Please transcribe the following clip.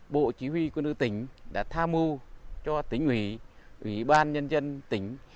bộ chí huy quân ưu tỉnh đã tha mưu cho tỉnh ủy ủy ban nhân dân tỉnh